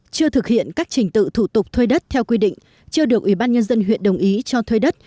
chưa thực hiện các trình tự thủ tục thuê đất theo quy định chưa được ủy ban nhân dân huyện đồng ý cho thuê đất